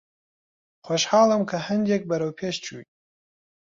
خۆشحاڵم کە هەندێک بەرەو پێش چووین.